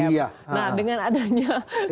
nah dengan adanya